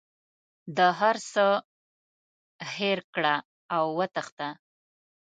د هر څه هېر کړه او وتښته.